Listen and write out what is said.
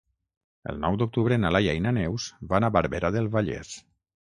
El nou d'octubre na Laia i na Neus van a Barberà del Vallès.